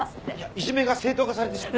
いじめが正当化されてしまう。